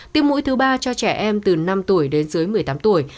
tiêm mũi thứ ba cho trẻ em từ năm tuổi đến dưới một mươi tám tuổi